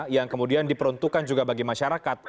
yang kemudian diperuntukkan juga bagi masyarakat